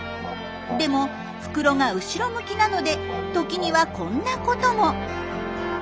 でも袋が後ろ向きなので時にはこんなことも。